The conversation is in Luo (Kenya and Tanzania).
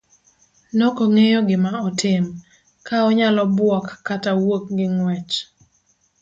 Nokong'eyo gima otim, kaonyalo buok kata wuok gi ng'uech.